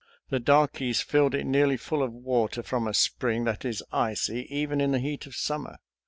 The darkies filled it nearly full of water from a spring that is icy even in the heat of summer.